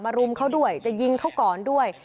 รุมเขาด้วยจะยิงเขาก่อนด้วย